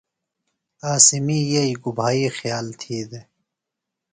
عاصمئی یئییۡ گُبھائی خیال تھی دےۡ؟